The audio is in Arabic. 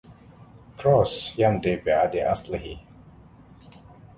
كروس يمضي بآد أصله